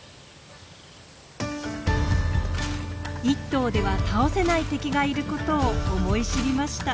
１頭では倒せない敵がいることを思い知りました。